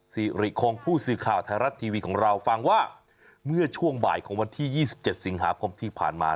สิริคงผู้สื่อข่าวไทยรัฐทีวีของเราฟังว่าเมื่อช่วงบ่ายของวันที่๒๗สิงหาคมที่ผ่านมา